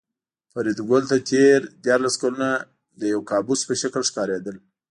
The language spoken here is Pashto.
فریدګل ته تېر دیارلس کلونه د یو کابوس په شکل ښکارېدل